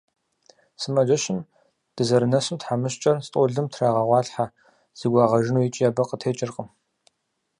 Сымаджэщым дызэрынэсу тхьэмыщкӀэр стӀолым трагъэгъуалъхьэ зэгуагъэжыну, икӀи абы къытекӀыркъым…